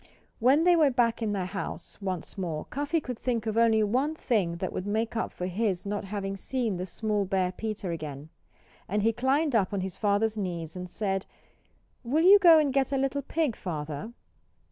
When they were back in their house once more Cuffy could think of only one thing that would make up for his not having seen the small bear Peter again. And he climbed up on his father's knees and said "Will you go and get a little pig, Father?"